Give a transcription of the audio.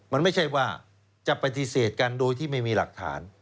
มันไม่ใช่ว่าจะปฏิเสธกันโดยที่ไม่มีหลักฐาน